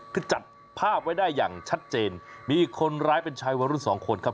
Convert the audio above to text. คือจับภาพไว้ได้อย่างชัดเจนมีคนร้ายเป็นชายวัยรุ่นสองคนครับ